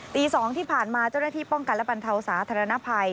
ตี๒ที่ผ่านมาเจ้าหน้าที่ป้องกันและบรรเทาสาธารณภัย